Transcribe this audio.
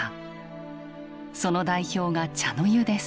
その代表が茶の湯です。